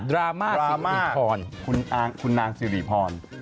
รามาสิริพรคุณนางสิริพร